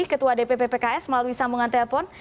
ketua dpp pks melalui sambungan telepon